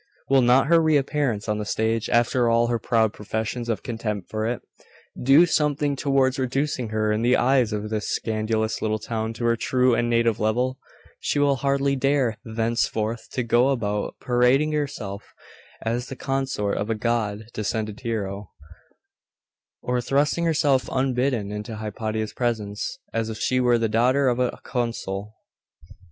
'Will not her reappearance on the stage, after all her proud professions of contempt for it, do something towards reducing her in the eyes of this scandalous little town to her true and native level? She will hardly dare thenceforth to go about parading herself as the consort of a god descended hero, or thrusting herself unbidden into Hypatia's presence, as if she were the daughter of a consul.